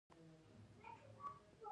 خلک د لوبو لیدلو ته ځي.